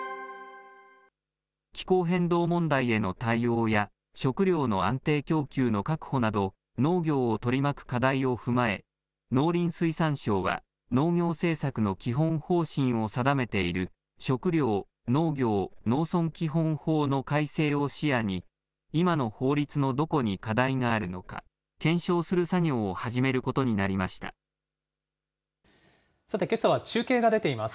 気候変動問題への対応や、食料の安定供給の確保など、農業を取り巻く課題を踏まえ、農林水産省は、農業政策の基本方針を定めている食料・農業・農村基本法の改正を視野に、今の法律のどこに課題があるのか検証する作業を始めるこさて、けさは中継が出ていま